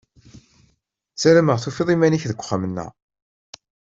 Ssarameɣ tufiḍ iman-ik deg uxxam-nneɣ.